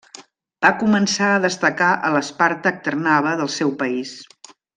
Va començar a destacar a l'Spartak Trnava del seu país.